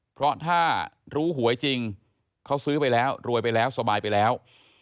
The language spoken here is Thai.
เพราะถ้ารู้หวยจริงเขาซื้อไปแล้วรวยไปแล้วสบายไปแล้ว